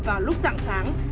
và lúc tạng sáng